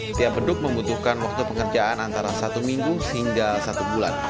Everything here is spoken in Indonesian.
setiap beduk membutuhkan waktu pengerjaan antara satu minggu hingga satu bulan